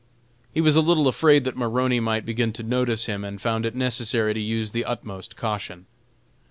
He was a little afraid that Maroney might begin to notice him and found it necessary to use the utmost caution.